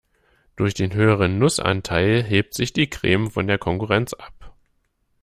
Durch den höheren Nussanteil hebt sich die Creme von der Konkurrenz ab.